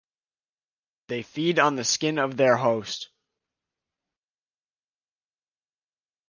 They feed on the skin of their host.